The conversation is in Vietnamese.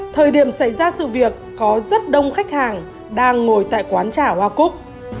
thời điểm xảy ra sự việc có rất đông khách hàng đang ngồi tại quán trà hoa cúc